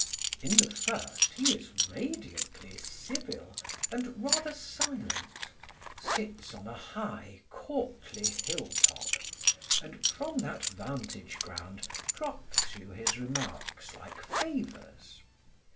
In the first, he is radiantly civil and rather silent, sits on a high, courtly hilltop, and from that vantage ground drops you his remarks like favours.